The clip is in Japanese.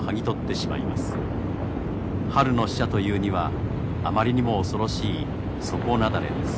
春の使者というにはあまりにも恐ろしい底雪崩です。